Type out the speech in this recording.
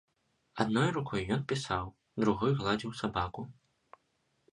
Адной рукой ён пісаў, другой гладзіў сабаку.